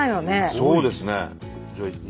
そうですね。